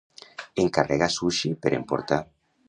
Encarregar sushi per emportar.